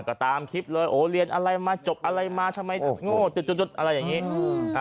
ก็ตามคลิปเลยเรียนอะไรมาจบอะไรมาทำไมง่วงอะไรแบบนี้